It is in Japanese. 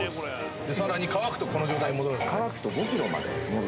さらに乾くとこの状態に戻るんですよね。